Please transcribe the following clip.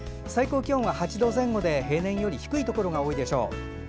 最高気温は８度前後で平年より低いところが多いでしょう。